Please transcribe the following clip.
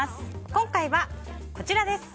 今回は、こちらです。